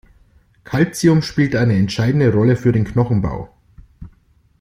Calcium spielt eine entscheidende Rolle für den Knochenbau.